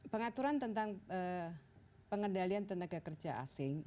pengaturan tentang pengendalian tenaga kerja asing